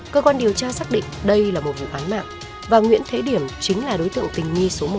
cơ quan điều tra xác định đây là một vụ án mạng và nguyễn thế điểm chính là đối tượng tình nghi số một